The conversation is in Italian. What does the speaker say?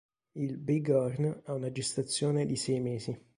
Il bighorn ha una gestazione di sei mesi.